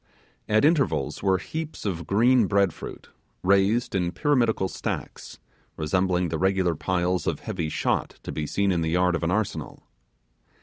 At intervals were heaps of green bread fruit, raised in pyramidical stacks, resembling the regular piles of heavy shot to be seen in the yard of an arsenal.